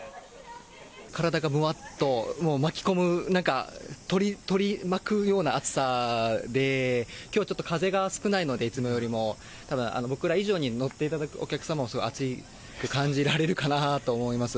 体がもわっと、なんか取り巻くような暑さで、きょうはちょっと風が少ないので、いつもよりも、ただ僕ら以上に、乗っていただくお客様も、すごく暑く感じられるかなと思います。